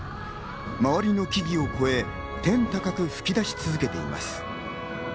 周りの木々を越え、高く噴き出し続けています。